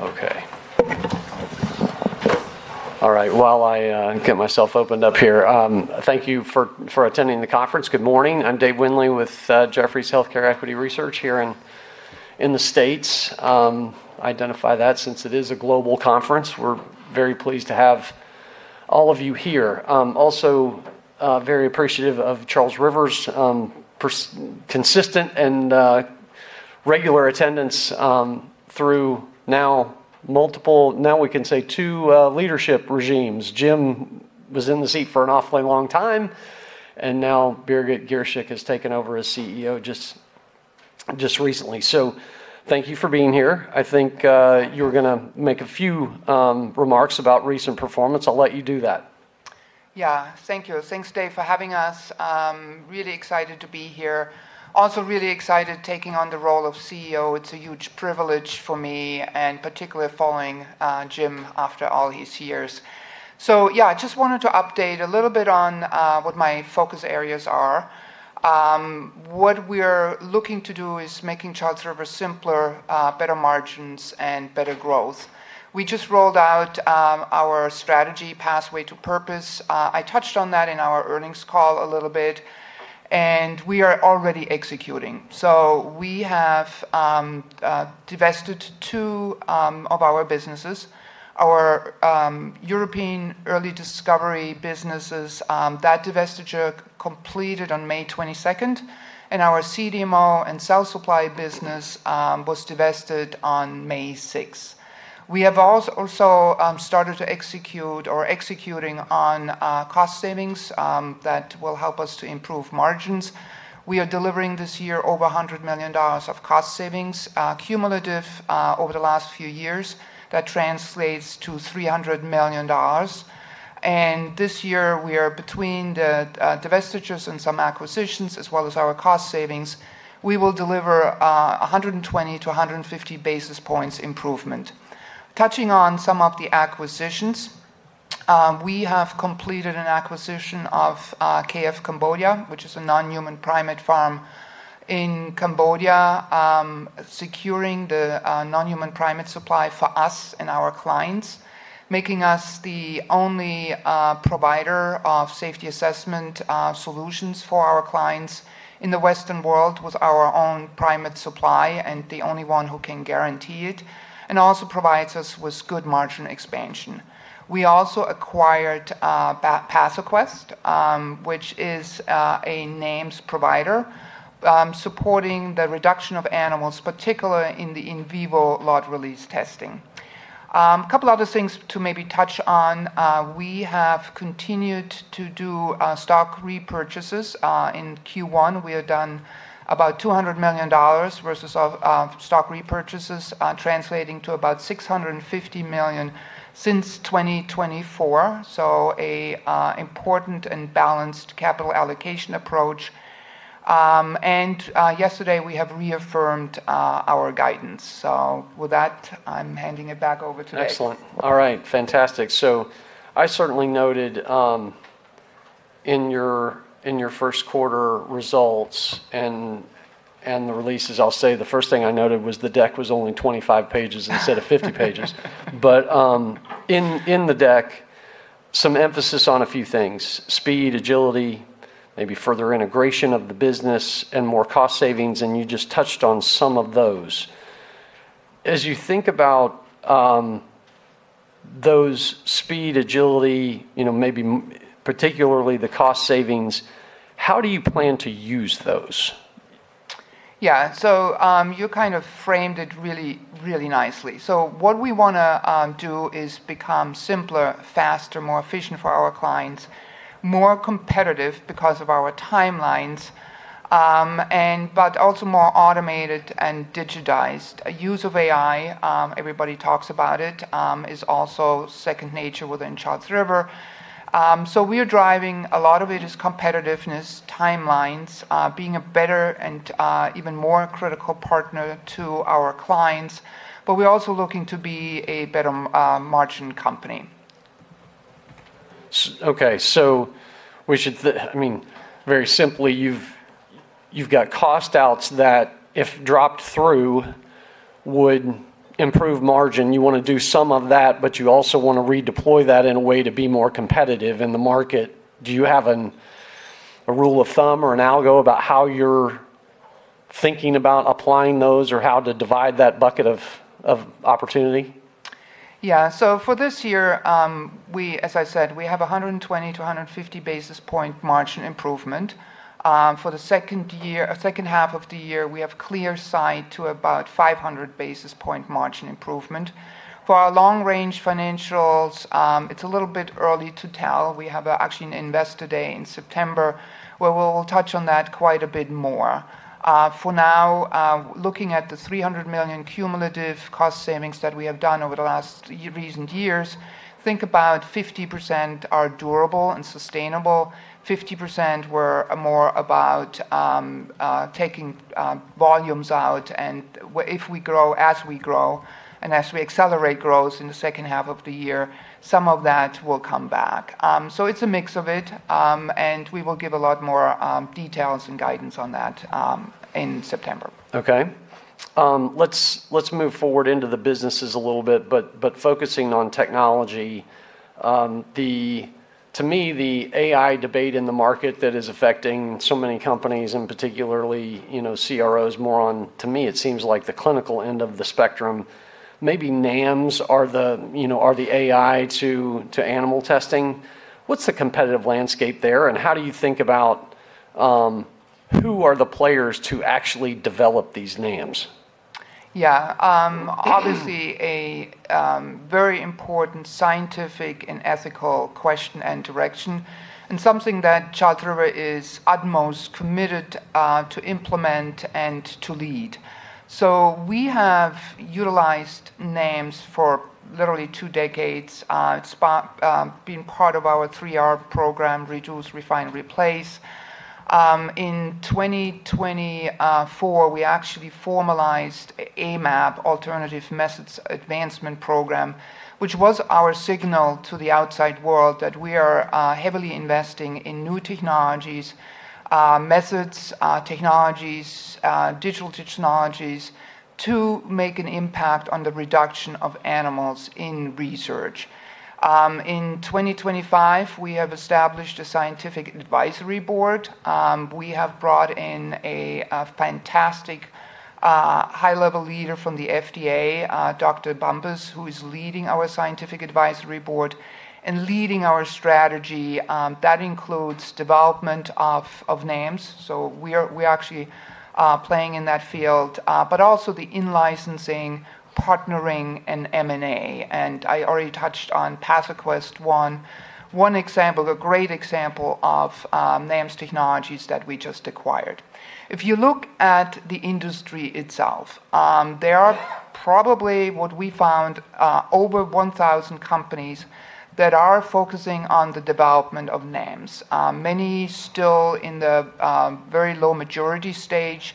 Okay. All right, while I get myself opened up here, thank you for attending the conference. Good morning. I'm Dave Windley with Jefferies Healthcare Equity Research here in the United States. I identify that since it is a global conference. We're very pleased to have all of you here. Also very appreciative of Charles River's consistent and regular attendance through now we can say, two leadership regimes. Jim was in the seat for an awfully long time, and now Birgit Girshick has taken over as CEO just recently. Thank you for being here. I think you were going to make a few remarks about recent performance. I'll let you do that. Yeah, thank you. Thanks, Dave, for having us. Really excited to be here. Also really excited taking on the role of CEO. It's a huge privilege for me, and particularly following Jim after all his years. Yeah, I just wanted to update a little bit on what my focus areas are. What we're looking to do is making Charles River simpler, better margins, and better growth. We just rolled out our strategy Pathway to Purpose. I touched on that in our earnings call a little bit, and we are already executing. We have divested two of our businesses. Our European early discovery businesses, that divestiture completed on May 22nd, and our CDMO and cell supply business was divested on May 6. We have also started to execute or executing on cost savings that will help us to improve margins. We are delivering this year over $100 million of cost savings cumulative over the last few years. That translates to $300 million. This year we are between the divestitures and some acquisitions, as well as our cost savings, we will deliver 120-150 basis points improvement. Touching on some of the acquisitions, we have completed an acquisition of K.F. Cambodia, which is a non-human primate farm in Cambodia, securing the non-human primate supply for us and our clients, making us the only provider of safety assessment solutions for our clients in the Western world with our own primate supply and the only one who can guarantee it, and also provides us with good margin expansion. We also acquired PathoQuest, which is a NAMs provider, supporting the reduction of animals, particularly in the in vivo lot release testing. Couple other things to maybe touch on. We have continued to do stock repurchases. In Q1, we have done about $200 million worth of stock repurchases, translating to about $650 million since 2024, so a important and balanced capital allocation approach. Yesterday we have reaffirmed our guidance. With that, I'm handing it back over to Dave. Excellent. All right. Fantastic. I certainly noted in your first quarter results and the releases, I'll say the first thing I noted was the deck was only 25 pages instead of 50 pages. In the deck, some emphasis on a few things, speed, agility, maybe further integration of the business and more cost savings, and you just touched on some of those. As you think about those speed, agility, maybe particularly the cost savings, how do you plan to use those? Yeah. You kind of framed it really nicely. What we want to do is become simpler, faster, more efficient for our clients, more competitive because of our timelines, but also more automated and digitized. Use of AI, everybody talks about it, is also second nature within Charles River. We are driving a lot of it is competitiveness, timelines, being a better and even more critical partner to our clients, but we're also looking to be a better margin company. Okay. Very simply, you've got cost outs that if dropped through would improve margin. You want to do some of that, you also want to redeploy that in a way to be more competitive in the market. Do you have a rule of thumb or an algo about how you're thinking about applying those or how to divide that bucket of opportunity? For this year, as I said, we have 120-150 basis point margin improvement. For the second half of the year, we have clear sight to about 500 basis point margin improvement. For our long-range financials, it's a little bit early to tell. We have actually an Investor Day in September where we will touch on that quite a bit more. For now, looking at the $300 million cumulative cost savings that we have done over the last recent years, think about 50% are durable and sustainable, 50% were more about taking volumes out and if we grow, as we grow, and as we accelerate growth in the second half of the year, some of that will come back. It's a mix of it, and we will give a lot more details and guidance on that in September. Okay. Let's move forward into the businesses a little bit, but focusing on technology. To me, the AI debate in the market that is affecting so many companies and particularly CROs more on, to me, it seems like the clinical end of the spectrum, maybe NAMs are the AI to animal testing. What's the competitive landscape there, and how do you think about who are the players to actually develop these NAMs? Obviously a very important scientific and ethical question and direction, and something that Charles River is utmost committed to implement and to lead. We have utilized NAMs for literally two decades. It's been part of our 3R program, reduce, refine, replace. In 2024, we actually formalized AMAP, Alternative Methods Advancement Project, which was our signal to the outside world that we are heavily investing in new technologies, methods, technologies, digital technologies, to make an impact on the reduction of animals in research. In 2025, we have established a scientific advisory board. We have brought in a fantastic high-level leader from the FDA, Dr. Bumpus, who is leading our Scientific Advisory Board and leading our strategy. That includes development of NAMs, we are actually playing in that field. Also the in-licensing, partnering, and M&A, and I already touched on PathoQuest, one example, a great example of NAMs technologies that we just acquired. If you look at the industry itself, there are probably what we found over 1,000 companies that are focusing on the development of NAMs. Many still in the very low maturity stage,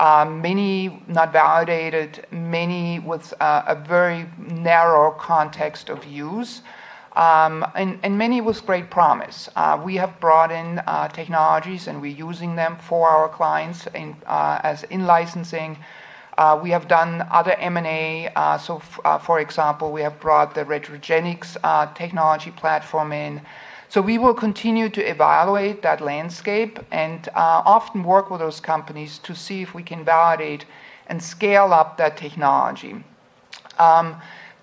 many not validated, many with a very narrow context of use, and many with great promise. We have brought in technologies, and we're using them for our clients as in-licensing. We have done other M&A. For example, we have brought the Retrogenix technology platform in. We will continue to evaluate that landscape and often work with those companies to see if we can validate and scale up that technology.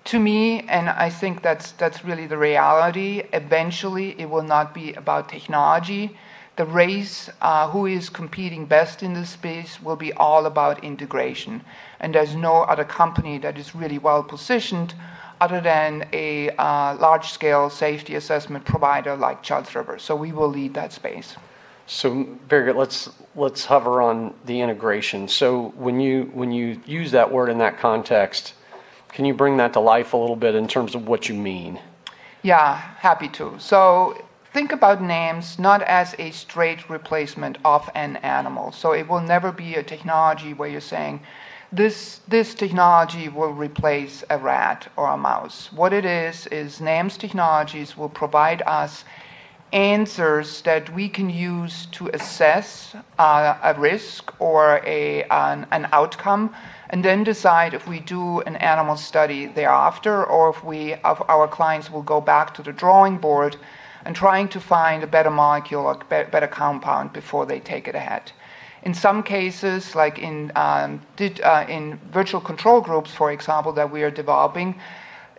To me, and I think that's really the reality, eventually it will not be about technology. The race, who is competing best in this space will be all about integration, and there's no other company that is really well-positioned other than a large-scale safety assessment provider like Charles River. We will lead that space. Very good. Let's hover on the integration. When you use that word in that context, can you bring that to life a little bit in terms of what you mean? Yeah, happy to. Think about NAMs not as a straight replacement of an animal. It will never be a technology where you're saying, this technology will replace a rat or a mouse. What it is is NAMs technologies will provide us answers that we can use to assess a risk or an outcome and then decide if we do an animal study thereafter or if our clients will go back to the drawing board and trying to find a better molecule or better compound before they take it ahead. In some cases, like in virtual control groups, for example, that we are developing,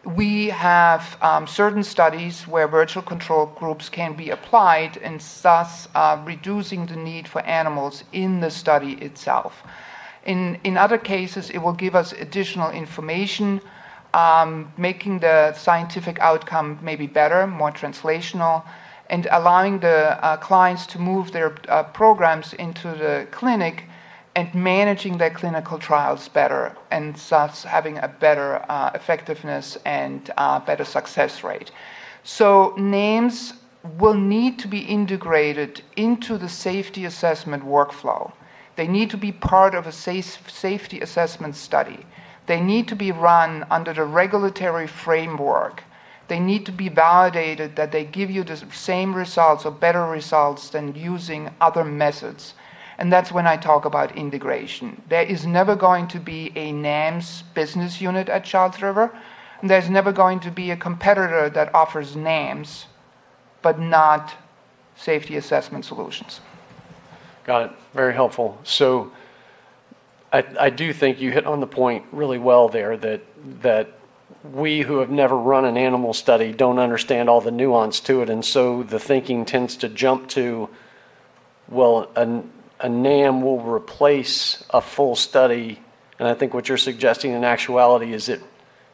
we have certain studies where virtual control groups can be applied and thus reducing the need for animals in the study itself. In other cases, it will give us additional information, making the scientific outcome maybe better, more translational, and allowing the clients to move their programs into the clinic and managing their clinical trials better and thus having a better effectiveness and better success rate. NAMs will need to be integrated into the safety assessment workflow. They need to be part of a safety assessment study. They need to be run under the regulatory framework. They need to be validated that they give you the same results or better results than using other methods. That's when I talk about integration. There is never going to be a NAMs business unit at Charles River, and there's never going to be a competitor that offers NAMs but not safety assessment solutions. Got it. Very helpful. I do think you hit on the point really well there that we who have never run an animal study don't understand all the nuance to it, the thinking tends to jump to, well, a NAM will replace a full study. I think what you're suggesting in actuality is it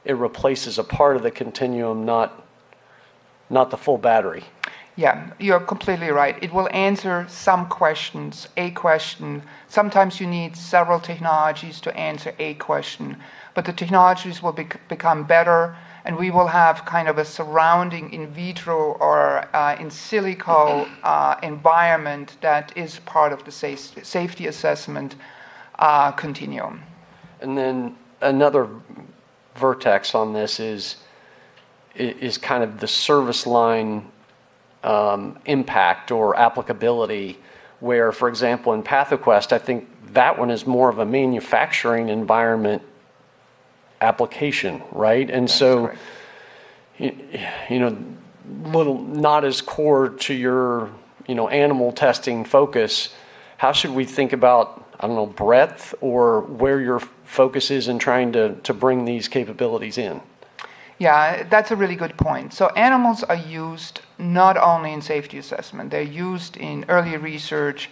replaces a part of the continuum, not the full battery. Yeah. You're completely right. It will answer some questions, a question. Sometimes you need several technologies to answer a question. But the technologies will become better, and we will have kind of a surrounding in vitro or in silico environment that is part of the safety assessment continuum. Another vertex on this is the service line impact or applicability where, for example, in PathoQuest, I think that one is more of a manufacturing environment application, right? That's correct. Not as core to your animal testing focus. How should we think about, I don't know, breadth or where your focus is in trying to bring these capabilities in? Yeah, that's a really good point. Animals are used not only in safety assessment. They're used in early research,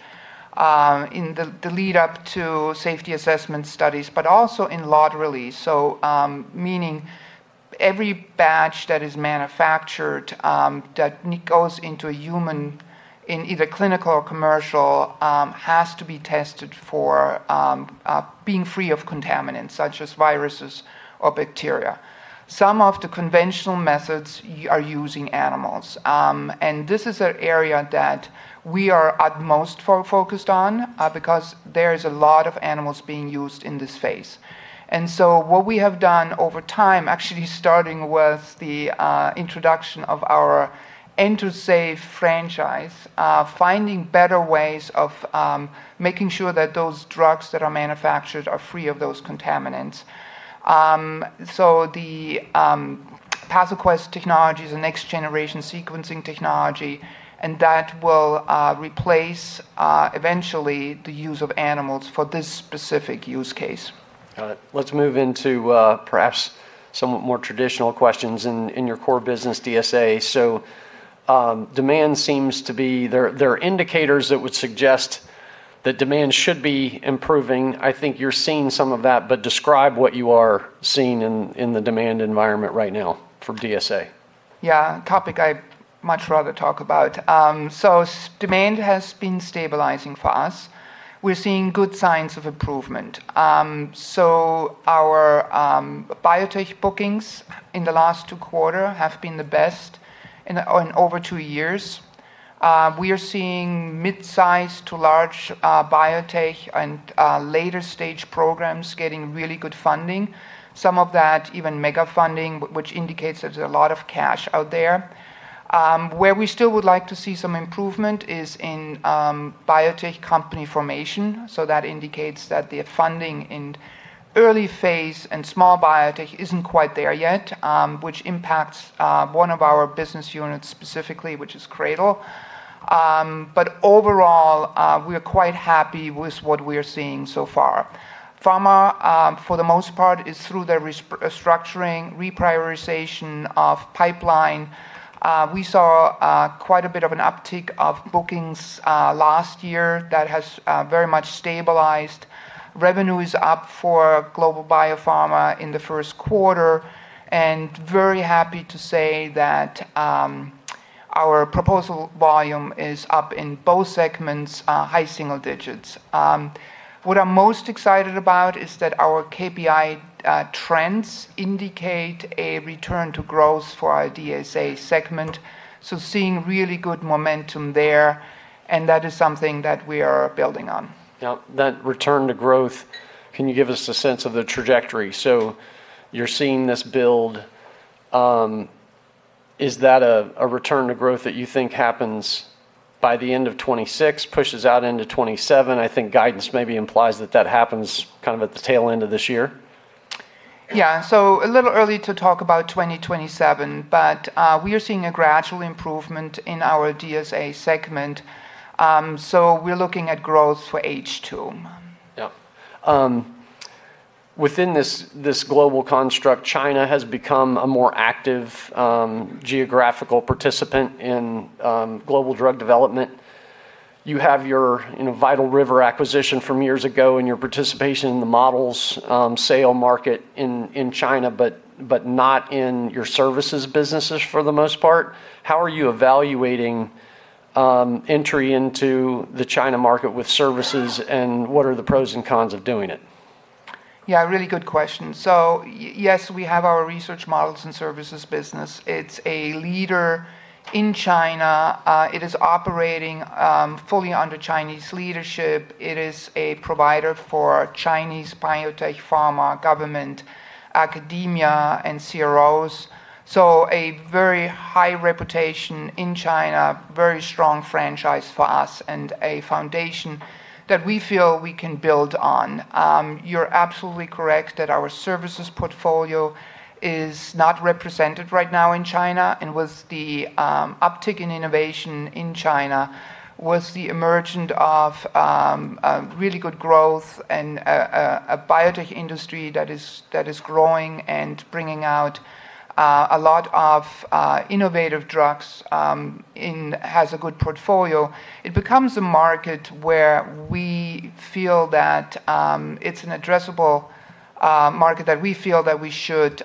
in the lead up to safety assessment studies, but also in lot release. Meaning every batch that is manufactured that goes into a human in either clinical or commercial, has to be tested for being free of contaminants, such as viruses or bacteria. Some of the conventional methods are using animals. This is an area that we are at most focused on, because there is a lot of animals being used in this phase. What we have done over time, actually, starting with the introduction of our Endosafe franchise, finding better ways of making sure that those drugs that are manufactured are free of those contaminants. The PathoQuest technology is a next generation sequencing technology, and that will replace, eventually, the use of animals for this specific use case. Got it. Let's move into perhaps somewhat more traditional questions in your core business, DSA. There are indicators that would suggest that demand should be improving. I think you're seeing some of that, but describe what you are seeing in the demand environment right now for DSA. Yeah. Topic I'd much rather talk about. Demand has been stabilizing for us. We're seeing good signs of improvement. Our biotech bookings in the last two quarter have been the best in over two years. We are seeing mid-size to large biotech and later stage programs getting really good funding. Some of that even mega funding, which indicates that there's a lot of cash out there. Where we still would like to see some improvement is in biotech company formation. That indicates that the funding in early phase and small biotech isn't quite there yet, which impacts one of our business units specifically, which is CRADL. Overall, we are quite happy with what we are seeing so far. Pharma, for the most part, is through the restructuring, reprioritization of pipeline. We saw quite a bit of an uptick of bookings last year that has very much stabilized. Revenue is up for global biopharma in the first quarter. Very happy to say that our proposal volume is up in both segments, high single digits. What I'm most excited about is that our KPI trends indicate a return to growth for our DSA segment. Seeing really good momentum there. That is something that we are building on. That return to growth, can you give us a sense of the trajectory? You're seeing this build. Is that a return to growth that you think happens by the end of 2026, pushes out into 2027? I think guidance maybe implies that that happens at the tail end of this year. Yeah. A little early to talk about 2027, but we are seeing a gradual improvement in our DSA segment. We're looking at growth for H2. Yep. Within this global construct, China has become a more active geographical participant in global drug development. You have your Vital River acquisition from years ago and your participation in the models sale market in China, but not in your services businesses for the most part. How are you evaluating entry into the China market with services, and what are the pros and cons of doing it? Really good question. Yes, we have our Research Models & Services business. It's a leader in China. It is operating fully under Chinese leadership. It is a provider for Chinese biotech, pharma, government, academia, and CROs. A very high reputation in China, very strong franchise for us, and a foundation that we feel we can build on. You're absolutely correct that our services portfolio is not represented right now in China. With the uptick in innovation in China, with the emergent of really good growth and a biotech industry that is growing and bringing out a lot of innovative drugs, and has a good portfolio, it becomes a market where we feel that it's an addressable market that we feel that we should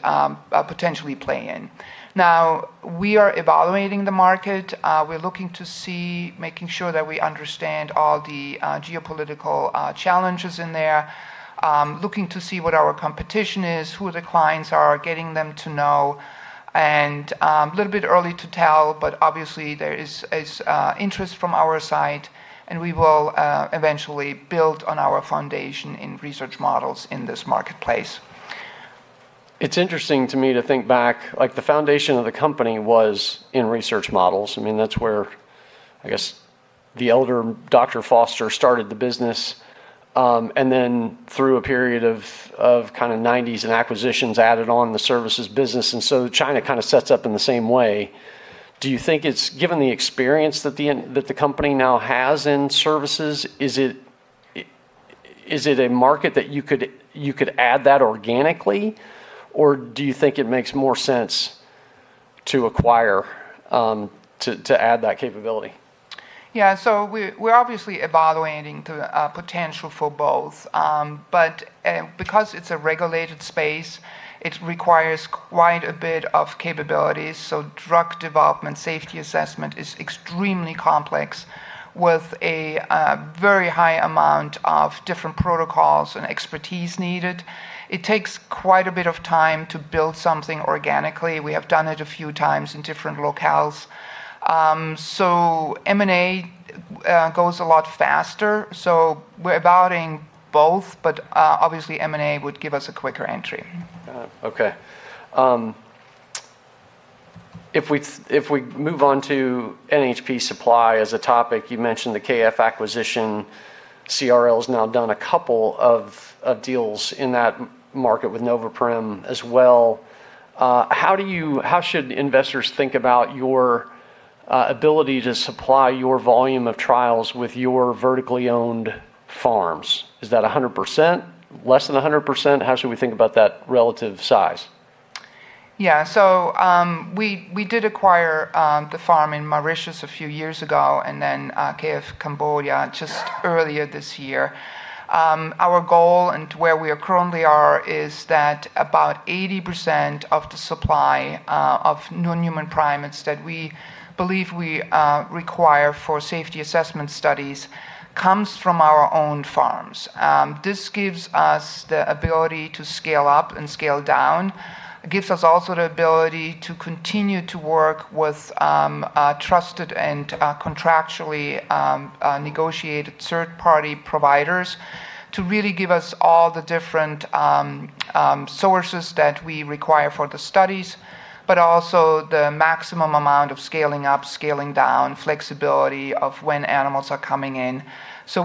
potentially play in. Now, we are evaluating the market. We're looking to see, making sure that we understand all the geopolitical challenges in there, looking to see what our competition is, who the clients are, getting them to know, and a little bit early to tell, but obviously there is interest from our side, and we will eventually build on our foundation in research models in this marketplace. It's interesting to me to think back, the foundation of the company was in research models. That's where, I guess, the elder, Dr. Foster, started the business. Through a period of 1990s and acquisitions added on the services business, and so China kind of sets up in the same way. Do you think, given the experience that the company now has in services, is it a market that you could add that organically, or do you think it makes more sense to acquire to add that capability? Yeah. We're obviously evaluating the potential for both. Because it's a regulated space, it requires quite a bit of capabilities. Drug development, safety assessment is extremely complex with a very high amount of different protocols and expertise needed. It takes quite a bit of time to build something organically. We have done it a few times in different locales. M&A goes a lot faster. We're evaluating both, but obviously M&A would give us a quicker entry. If we move on to NHP supply as a topic, you mentioned the K.F. acquisition. CRL has now done a couple of deals in that market with Noveprim as well. How should investors think about your ability to supply your volume of trials with your vertically owned farms? Is that 100%? Less than 100%? How should we think about that relative size? Yeah. We did acquire the farm in Mauritius a few years ago and then K.F. Cambodia just earlier this year. Our goal and where we currently are is that about 80% of the supply of non-human primates that we believe we require for safety assessment studies comes from our own farms. This gives us the ability to scale up and scale down. It gives us also the ability to continue to work with trusted and contractually negotiated third-party providers to really give us all the different sources that we require for the studies, but also the maximum amount of scaling up, scaling down, flexibility of when animals are coming in.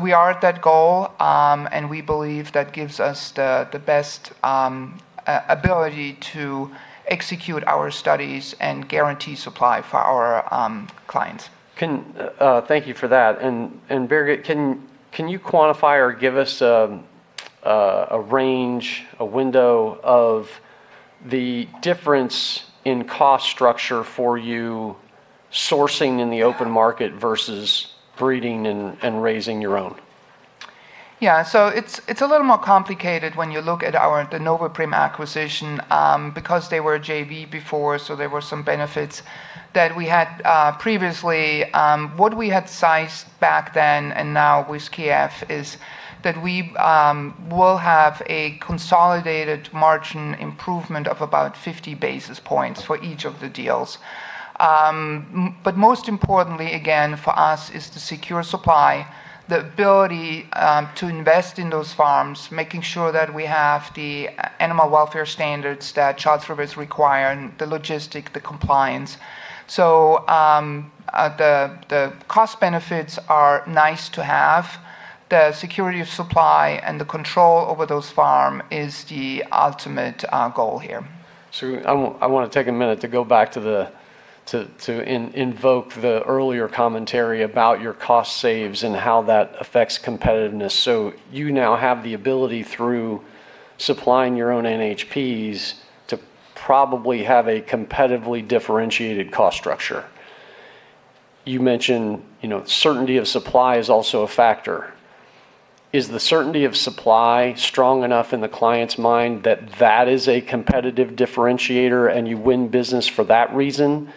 We are at that goal, and we believe that gives us the best ability to execute our studies and guarantee supply for our clients. Thank you for that. Birgit, can you quantify or give us a range, a window of the difference in cost structure for you sourcing in the open market versus breeding and raising your own? Yeah. It's a little more complicated when you look at the Noveprim acquisition, because they were a JV before, there were some benefits that we had previously. What we had sized back then and now with K.F. is that we will have a consolidated margin improvement of about 50 basis points for each of the deals. Most importantly, again, for us, is to secure supply, the ability to invest in those farms, making sure that we have the animal welfare standards that Charles River require and the logistics, the compliance. The cost benefits are nice to have. The security of supply and the control over those farms is the ultimate goal here. I want to take a minute to go back to invoke the earlier commentary about your cost saves and how that affects competitiveness. You now have the ability, through supplying your own NHPs, to probably have a competitively differentiated cost structure. You mentioned certainty of supply is also a factor. Is the certainty of supply strong enough in the client's mind that that is a competitive differentiator and you win business for that reason,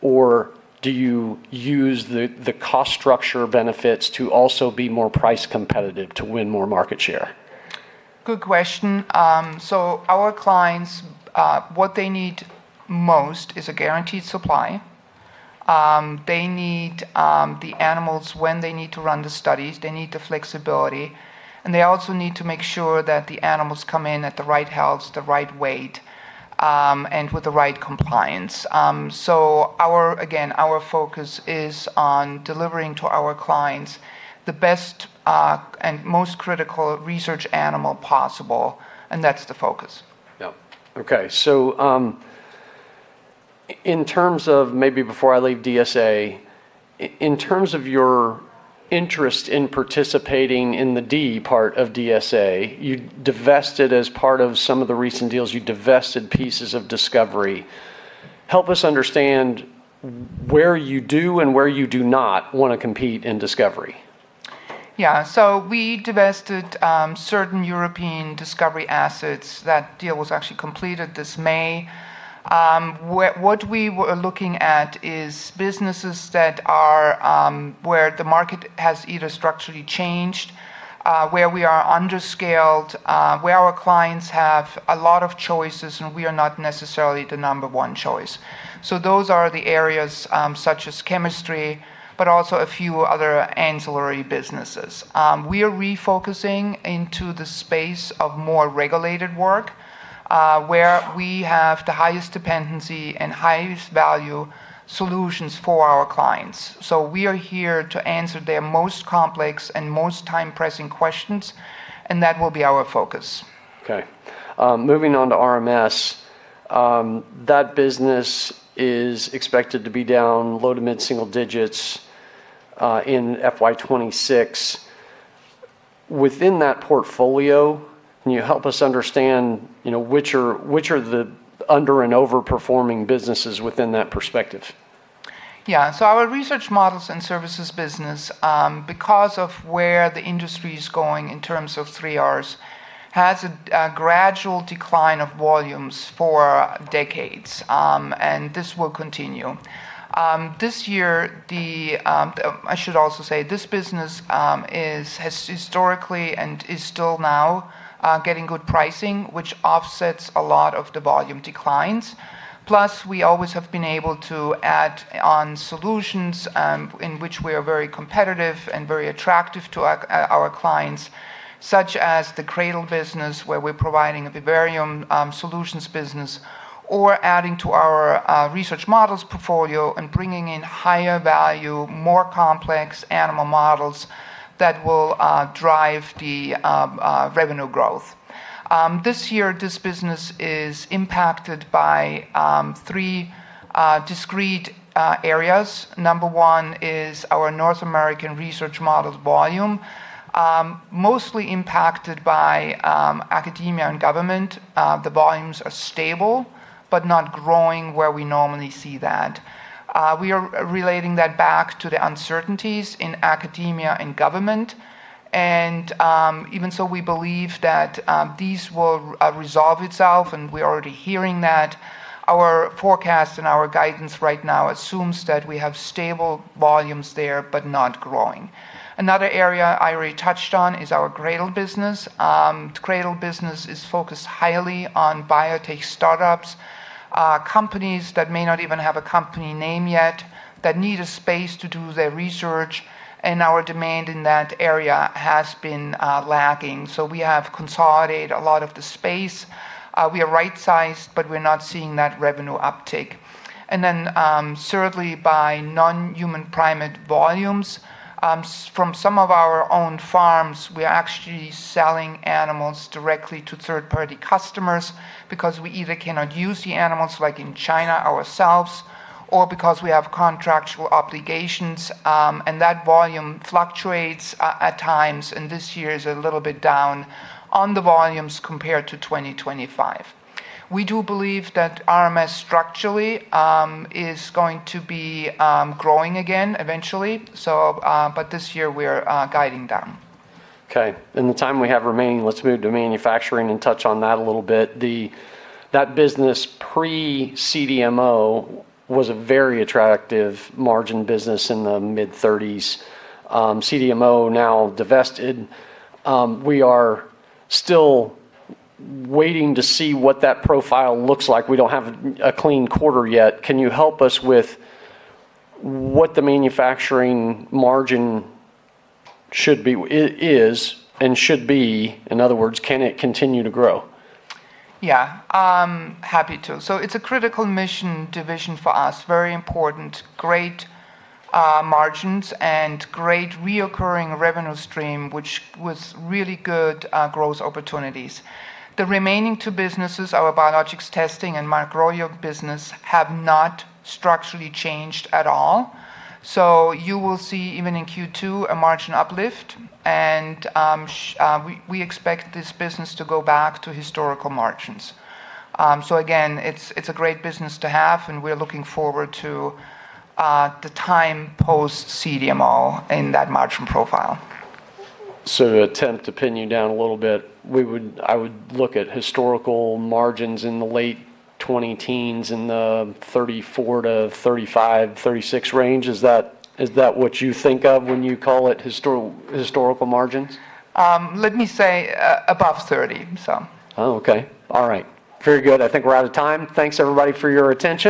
or do you use the cost structure benefits to also be more price competitive to win more market share? Good question. Our clients, what they need most is a guaranteed supply. They need the animals when they need to run the studies. They need the flexibility, and they also need to make sure that the animals come in at the right health, the right weight, and with the right compliance. Again, our focus is on delivering to our clients the best and most critical research animal possible, and that's the focus. Yeah. Okay. Maybe before I leave DSA, in terms of your interest in participating in the D part of DSA, you divested as part of some of the recent deals, you divested pieces of Discovery. Help us understand where you do and where you do not want to compete in Discovery. We divested certain European Discovery assets. That deal was actually completed this May. What we were looking at is businesses where the market has either structurally changed, where we are under-scaled, where our clients have a lot of choices, and we are not necessarily the number one choice. Those are the areas, such as chemistry, but also a few other ancillary businesses. We are refocusing into the space of more regulated work, where we have the highest dependency and highest value solutions for our clients. We are here to answer their most complex and most time-pressing questions, and that will be our focus. Okay. Moving on to RMS. That business is expected to be down low to mid-single digits in FY 2026. Within that portfolio, can you help us understand which are the under and over-performing businesses within that perspective? Yeah. Our Research Models & Services business, because of where the industry is going in terms of 3Rs, has a gradual decline of volumes for decades, and this will continue. I should also say, this business has historically and is still now getting good pricing, which offsets a lot of the volume declines. We always have been able to add on solutions in which we are very competitive and very attractive to our clients, such as the CRADL business, where we're providing a vivarium solutions business or adding to our Research Models portfolio and bringing in higher value, more complex animal models that will drive the revenue growth. This year, this business is impacted by three discrete areas. Number one is our North American Research Models volume, mostly impacted by academia and government. The volumes are stable, but not growing where we normally see that. We are relating that back to the uncertainties in academia and government. Even so, we believe that this will resolve itself, and we're already hearing that. Our forecast and our guidance right now assumes that we have stable volumes there, but not growing. Another area I already touched on is our CRADL business. The CRADL business is focused highly on biotech startups, companies that may not even have a company name yet that need a space to do their research, and our demand in that area has been lacking. We have consolidated a lot of the space. We are right-sized, but we're not seeing that revenue uptake. Thirdly, by non-human primate volumes. From some of our own farms, we're actually selling animals directly to third-party customers because we either cannot use the animals, like in China, ourselves, or because we have contractual obligations. That volume fluctuates at times, and this year is a little bit down on the volumes compared to 2025. We do believe that RMS structurally is going to be growing again eventually, but this year we are guiding down. Okay. In the time we have remaining, let's move to manufacturing and touch on that a little bit. That business pre-CDMO was a very attractive margin business in the mid-30%. CDMO now divested. We are still waiting to see what that profile looks like. We don't have a clean quarter yet. Can you help us with what the manufacturing margin is and should be? In other words, can it continue to grow? Yeah, happy to. It's a critical mission division for us. Very important. Great margins and great reoccurring revenue stream, which was really good growth opportunities. The remaining two businesses, our biologics testing and micro business, have not structurally changed at all. You will see, even in Q2, a margin uplift and we expect this business to go back to historical margins. Again, it's a great business to have, and we're looking forward to the time post-CDMO in that margin profile. To attempt to pin you down a little bit, I would look at historical margins in the late 20-teens, in the 34% to 35%, 36% range. Is that what you think of when you call it historical margins? Let me say above 30% some. Oh, okay. All right. Very good. I think we're out of time. Thanks everybody for your attention.